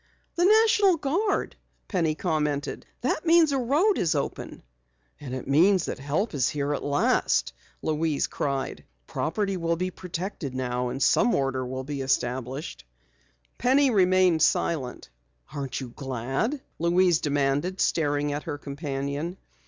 "The National Guard," Penny commented. "That means a road is open." "And it means that help is here at last!" Louise cried. "Property will be protected now and some order will be established!" Penny remained silent. "Aren't you glad?" Louise demanded, staring at her companion.